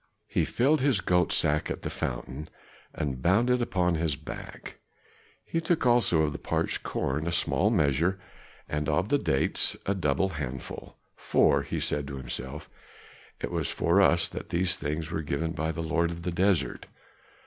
He filled his goat skin at the fountain and bound it upon his back; he took also of the parched corn a small measure, and of the dates a double handful; "for," he said to himself, "it was for us that these things were given by the lord of the desert."